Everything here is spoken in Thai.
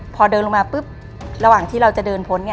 พอเดินลงมาปุ๊บระหว่างที่เราจะเดินพ้น